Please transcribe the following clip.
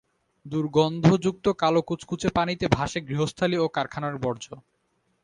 দুর্গন্ধযুক্ত কালো কুচকুচে পানিতে ভাসে গৃহস্থালি ও কারখানার বর্জ্য।